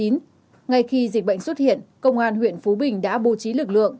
ngay khi dịch bệnh xuất hiện công an huyện phú bình đã bố trí lực lượng